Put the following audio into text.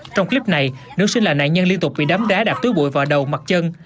trong clip này nữ sinh là nạn nhân liên tục bị đấm đá đạp túi bụi vào đầu mặt chân